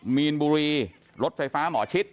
มีนบุรีรถไฟฟ้าหมอชิด